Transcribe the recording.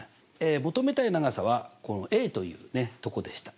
求めたい長さはこのというねとこでした。